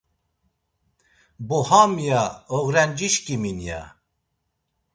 Bo ham, ya; oğrencişǩimi’n, ya.